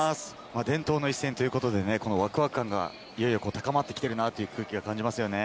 伝統の一戦ということでね、このわくわく感が、いよいよ高まってきているなという空気は感じますよね。